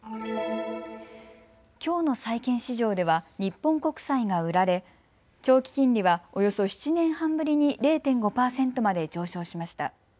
きょうの債券市場では日本国債が売られ長期金利はおよそ７年半ぶりに０．５％まで上昇しました。